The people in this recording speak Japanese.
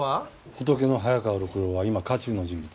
ホトケの早川六郎は今渦中の人物。